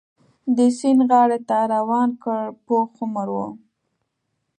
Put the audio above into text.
د سیند غاړې ته روان کړ، پوخ عمره و.